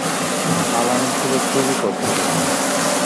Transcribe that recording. পালানো ছিল খুবই কষ্টকর।